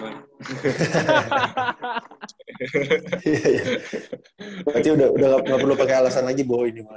berarti udah gak perlu pake alasan lagi boho ini pak